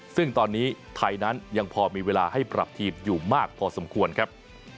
ซึ่งตอนนี้ไทยนั้นยังพอมีเวลาให้ปรับทีมอยู่มากพอสมควรครับ